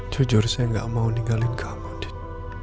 jujur saya gak mau ninggalin kamu deh